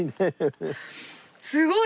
すごい！